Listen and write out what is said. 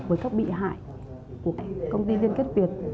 với các bị hại của công ty liên kết việt